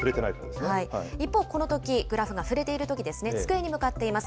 一方、このとき、グラフが振れているときですね、机に向かっています。